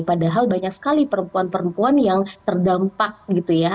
padahal banyak sekali perempuan perempuan yang terdampak gitu ya